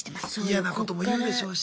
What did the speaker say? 嫌なことも言うでしょうし。